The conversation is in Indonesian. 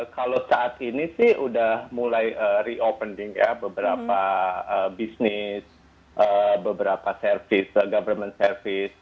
kalau saat ini sih udah mulai reopening ya beberapa bisnis beberapa service government service